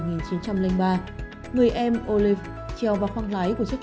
người em olive treo vào khoang lái của chúng ta